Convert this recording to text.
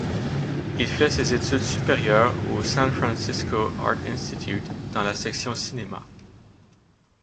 Il fait ses études supérieures au San Francisco Art Institute dans la section cinéma.